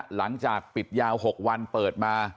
หลังจากปิดยาว๖วันเปิดมา